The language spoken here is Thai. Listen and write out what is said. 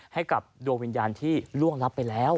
ให้กับดวงวิญญาณที่ล่วงลับไปแล้ว